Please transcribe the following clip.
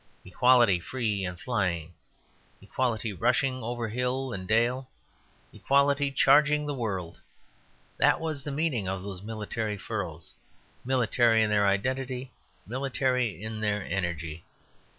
Equality free and flying, equality rushing over hill and dale, equality charging the world that was the meaning of those military furrows, military in their identity, military in their energy.